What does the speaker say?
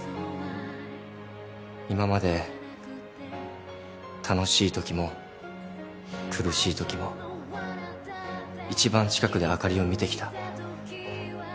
今まで楽しいときも苦しいときも一番近くであかりを見てきた。